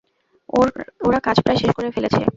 ওরা কাজ প্রায় শেষ করে ফেলেছে।